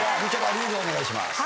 ルールをお願いします。